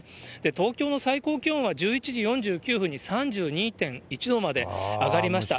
東京の最高気温は１１時４９分に３２．１度まで上がりました。